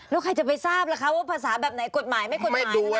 แล้วใครจะไปทราบล่ะคะว่าภาษาแบบไหนกฎหมายไม่กฎหมาย